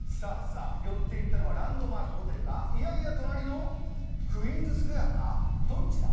寄っていったのは、ランドマークホテルか、いやいや隣のクイーンズスクエアか、どっちだ。